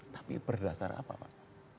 tapi berdasar apa pak